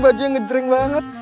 bajunya ngejreng banget